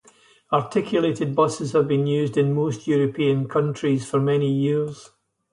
Articulated buses have been used in most European countries for many years.